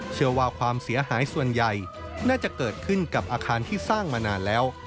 ความเสียหายส่วนใหญ่น่าจะเกิดขึ้นกับอาคารที่สร้างมานานแล้ว